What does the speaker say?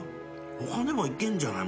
他でもいけんじゃない？